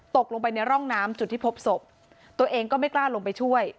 ตกลงไปในร่องน้ำจุดที่พบศพตัวเองก็ไม่กล้าลงไปช่วย